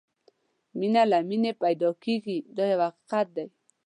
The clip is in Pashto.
مینه له مینې پیدا کېږي دا یو حقیقت دی.